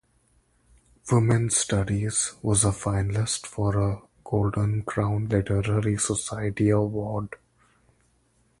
"Women's Studies" was a finalist for a Golden Crown Literary Society award.